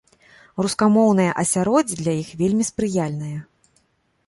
Рускамоўнае асяроддзе для іх вельмі спрыяльнае.